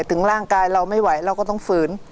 ถึงร่างกายเราไม่ไหวเราก็ต้องฝืน